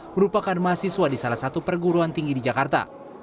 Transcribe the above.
merupakan mahasiswa di salah satu perguruan tinggi di jakarta